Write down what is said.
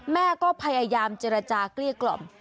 แม่ก็พยายามเจรจาเกลี้ยกล่อม